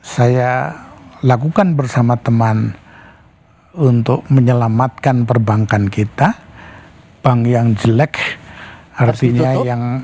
saya lakukan bersama teman untuk menyelamatkan perbankan kita bank yang jelek artinya yang